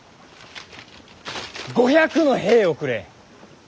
５００の兵をくれ。